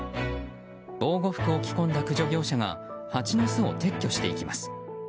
防護服を着込んだ駆除業者がハチの巣を撤去していきます。